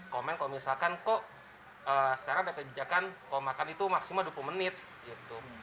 komen kalau misalkan kok sekarang ada kebijakan kalau makan itu maksimal dua puluh menit gitu